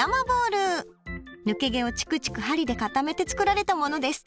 抜け毛をチクチク針で固めて作られたものです。